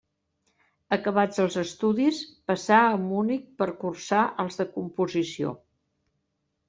Acabats els estudis, passà a Munic per cursar els de composició.